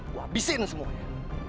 gue abisin semuanya